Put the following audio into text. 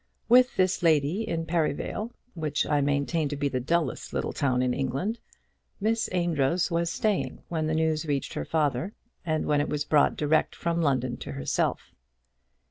With this lady in Perivale, which I maintain to be the dullest little town in England, Miss Amedroz was staying when the news reached her father, and when it was brought direct from London to herself.